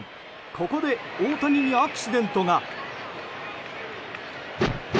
ここで大谷にアクシデントが。